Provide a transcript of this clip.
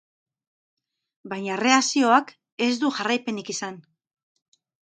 Baina erreakzioak ez du jarraipenik izan.